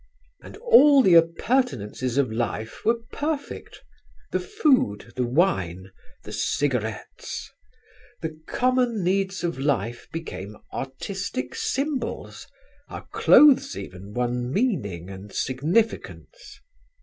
And all the appurtenances of life were perfect: the food, the wine, the cigarettes; the common needs of life became artistic symbols, our clothes even won meaning and significance.